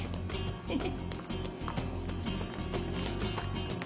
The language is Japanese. フフ。